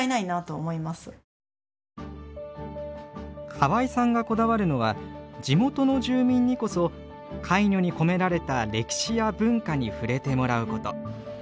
河合さんがこだわるのは地元の住民にこそカイニョに込められた歴史や文化に触れてもらうこと。